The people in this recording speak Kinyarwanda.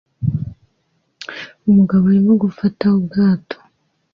Umugabo arimo gufata ubwato